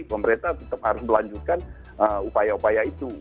pemerintah tetap harus melanjutkan upaya upaya itu